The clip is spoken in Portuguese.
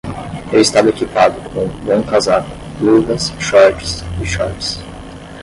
Eu estava equipado com um bom casaco, luvas, shorts e shorts.